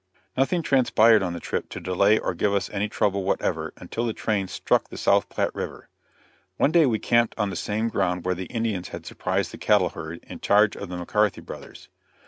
Nothing transpired on the trip to delay or give us any trouble whatever, until the train struck the South Platte river. One day we camped on the same ground where the Indians had surprised the cattle herd, in charge of the McCarty brothers.